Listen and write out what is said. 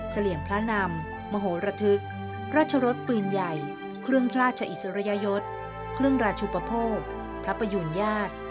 เสลี่ยงพระนำมโหระทึกราชรสปืนใหญ่เครื่องราชอิสริยยศเครื่องราชุปโภคพระประยูณญาติ